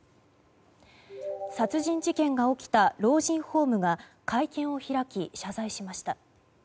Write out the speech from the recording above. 殺人事件が起きた老人ホームが会見を開き、謝罪しました。